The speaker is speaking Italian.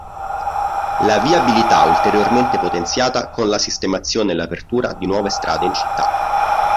La viabilità ulteriormente potenziata con la sistemazione e l'apertura di nuove strade in città.